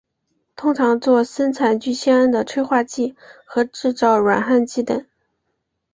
通常作生产聚酰胺的催化剂和制造软焊剂等。